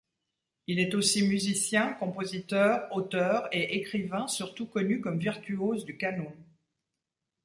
Il est aussi musicien, compositeur, auteur et écrivain surtout connu comme virtuose du qanûn.